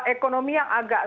ekonomi yang agak